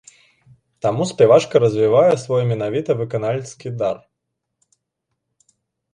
Таму спявачка развівае свой менавіта выканальніцкі дар.